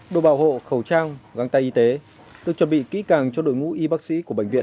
đồ bảo hộ khẩu trang găng tay y tế được chuẩn bị kỹ càng cho đội ngũ y bác sĩ của bệnh viện